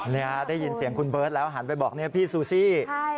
เรียได้ยินเสียงคุณเบิร์ตแล้วหันไปบอกพี่ซูซี่